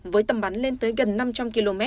với tầm bắn lên tới gần năm trăm linh km